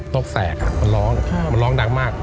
ตกแสกมันร้องมันร้องดังมาก